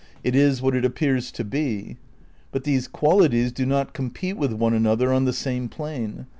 It is what it appears to be. But these qualities do not compete with one another on the same plane.